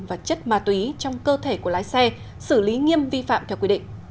và chất ma túy trong cơ thể của lái xe xử lý nghiêm vi phạm theo quy định